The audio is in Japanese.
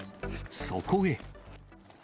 そこへ。